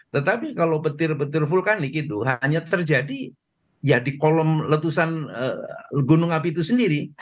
tetapi kalau petir petir vulkanik itu hanya terjadi ya di kolom letusan gunung api itu sendiri